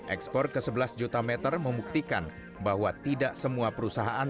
ekspor ke sebelas juta meter membuktikan bahwa tidak semua perusahaan